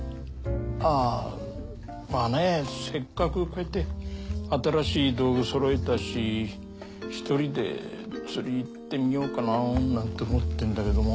あぁまあねせっかくこうやって新しい道具揃えたし一人で釣り行ってみようかななんて思ってるんだけども。